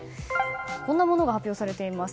こんなものが発表されています。